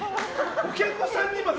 お客さんにまで。